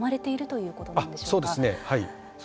そうですね。